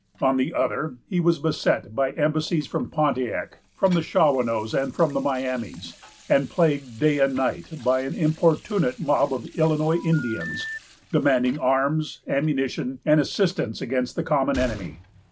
On the other, he was beset by embassies from Pontiac, from the Shawanoes, and from the Miamis, and plagued day and night by an importunate mob of Illinois Indians, demanding arms, ammunition, and assistance against the common enemy.